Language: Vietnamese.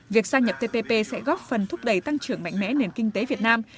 việc gia nhập tpp sẽ góp phần thúc đẩy tăng trưởng mạnh mẽ nền kinh tế việt nam